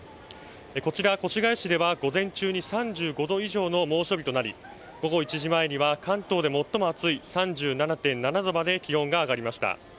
こちら、越谷市では午前中に３５度以上の猛暑日となり午後１時前には関東で最も暑い３７．７度まで気温が上がりました。